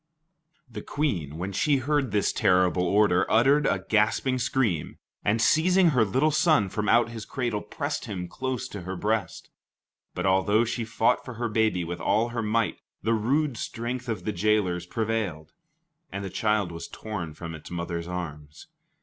The Queen, when she heard this terrible order, uttered a gasping scream, and seizing her little son from out his cradle, pressed him close to her breast. But although she fought for her baby with all her might, the rude strength of the jailers prevailed, and the child was torn from its mother's arms.